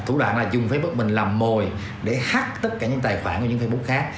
thủ đoạn là dùng facebook mình làm mồi để hack tất cả những tài khoản của những facebook khác